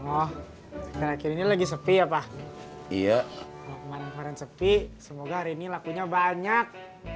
oh akhir akhir ini lagi sepi ya pak iya semoga hari ini lakunya banyak